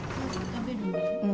食べるね。